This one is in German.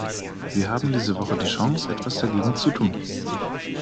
Wir haben diese Woche die Chance, etwas dagegen zu tun.